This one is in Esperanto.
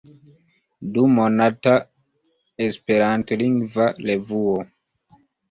Dumonata esperantlingva revuo.